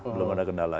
belum ada kendala